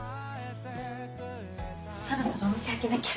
そろそろお店開けなきゃ。